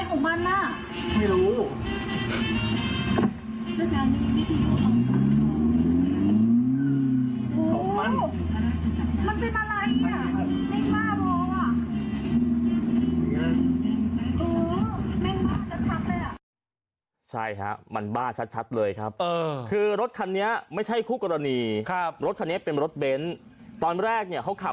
โอ้โหมันถ่ายแล้วมันก็หนีเลยนะ